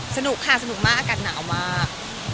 สนุกค่ะสนุกมากอากาศหนาวมาก